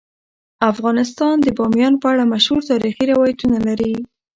افغانستان د بامیان په اړه مشهور تاریخی روایتونه لري.